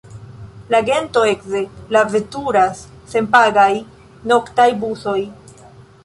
En Gento ekde la veturas senpagaj noktaj busoj.